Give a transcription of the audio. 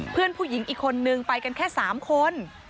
เพื่อนผู้หญิงอีกคนนึงไปกันแค่๓คน